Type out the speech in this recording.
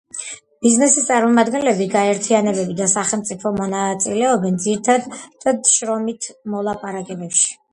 ბიზნესის წარმომადგენლები, გაერთიანებები და სახელმწიფო მონაწილეობენ ძირითად შრომით მოლაპარაკებებში.